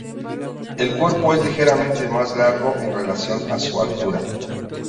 El cuerpo es ligeramente más largo en relación a su altura.